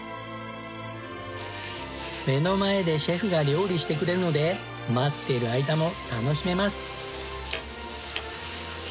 目の前でシェフが料理してくれるので待っている間も楽しめます。